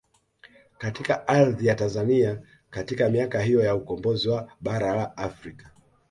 Katika ardhi ya Tanzanai katika miaka hiyo ya ukombozi wa bara la Afrika